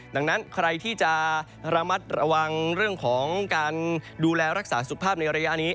ดังนั้นใครที่จะระมัดระวังเรื่องของการดูแลรักษาสุขภาพในระยะนี้